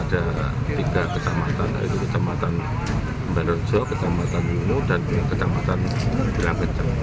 ketiga kecamatan di madiun jawa timur jawa timur dan juga pilangkenceng